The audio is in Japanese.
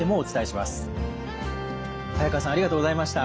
早川さんありがとうございました。